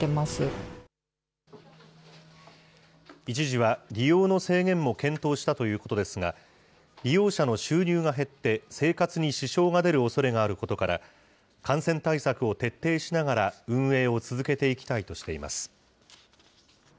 一時は利用の制限も検討したということですが、利用者の収入が減って生活に支障が出るおそれがあることから、感染対策を徹底しながら運営を続けていきたいとしています。